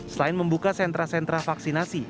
selain membuka sentra sentra vaksinasi